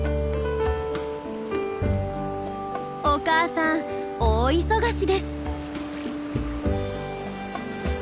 お母さん大忙しです。